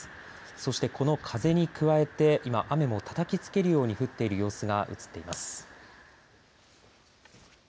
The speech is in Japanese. そして、この風に加えて今、雨もたたきつけるように降っている様子が映っています。